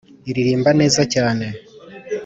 iririmbwa neza cyane.